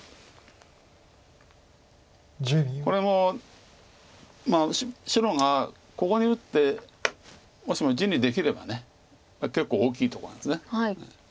これも白がここに打ってもしも地にできれば結構大きいとこなんです。